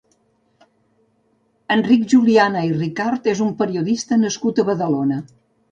Enric Juliana i Ricart és un periodista nascut a Badalona.